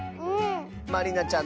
まりなちゃん